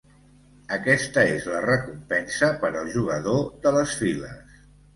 Aquesta és la recompensa per al jugador de les files.